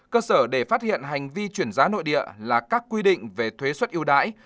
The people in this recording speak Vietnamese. cơ sở để phát hiện hành vi chuyển giá nội địa là các quy định về thuế xuất yêu đãi